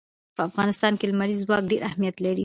په افغانستان کې لمریز ځواک ډېر اهمیت لري.